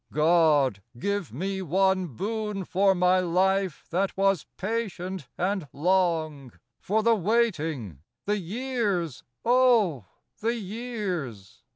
" God ! give me one boon for my life That was patient and long ; For the waiting ; the years — oh, the years